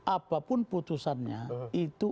apapun putusannya itu